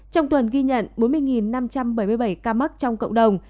trong tuần ghi nhận bốn mươi năm trăm bảy mươi bảy ca mắc trong cộng đồng